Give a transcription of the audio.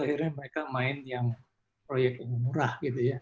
akhirnya mereka main yang proyek yang murah